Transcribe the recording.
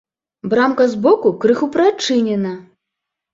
Брамка збоку крыху прыадчынена.